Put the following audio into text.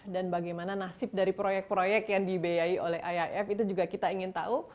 dan bagaimana nasib dari proyek proyek yang dibeayai oleh iif itu juga kita ingin tahu